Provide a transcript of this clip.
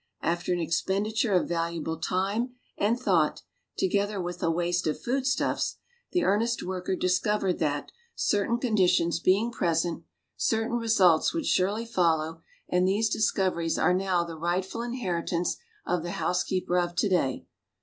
.Vfter an ex penditure of valuable time and thought, together with a waste of foodstuffs, the earnest worker discovered that, certain conditions being present, certain results would surely follow, and these discov eries are now the rightful inheritance of the housekeeper of to day.